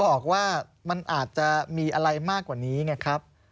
ออกว่ามันอาจจะมีอะไรมากกว่านี้ไงครับ